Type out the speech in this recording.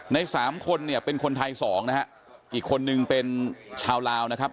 ในสามคนเนี่ยเป็นคนไทยสองนะฮะอีกคนนึงเป็นชาวลาวนะครับ